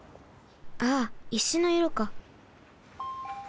ああ石のいろか。